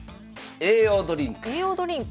栄養ドリンク。